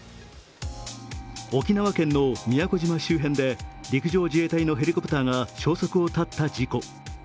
沖縄県の宮古島周辺で陸上自衛隊のヘリコプターが消息を絶った事故。